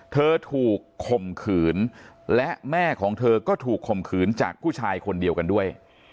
เธอถูกข่มขืนและแม่ของเธอก็ถูกข่มขืนจากผู้ชายคนเดียวกันด้วย